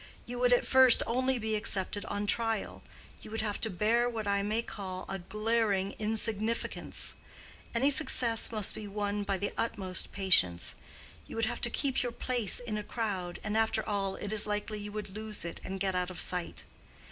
You would at first only be accepted on trial. You would have to bear what I may call a glaring insignificance: any success must be won by the utmost patience. You would have to keep your place in a crowd, and after all it is likely you would lose it and get out of sight.